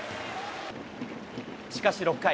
しかし、６回。